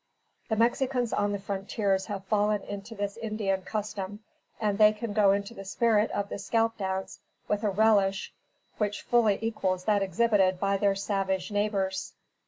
The Mexicans on the frontiers have fallen into this Indian custom, and they can go into the spirit of the scalp dance with a relish which fully equals that exhibited by their savage neighbors.